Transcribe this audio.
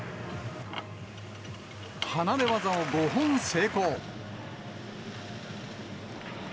離れ技を５本成功。